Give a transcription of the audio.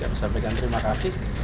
saya sampaikan terima kasih